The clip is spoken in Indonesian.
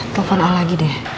telepon aku lagi deh